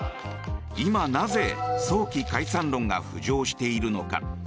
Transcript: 今なぜ早期解散論が浮上しているのか。